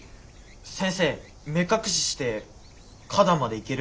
先生目隠しして花壇まで行ける？